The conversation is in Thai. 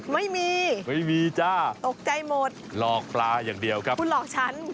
ไม่มีไม่มีจ้าตกใจหมดหลอกปลาอย่างเดียวครับคุณหลอกฉัน